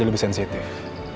jadi lebih sensitif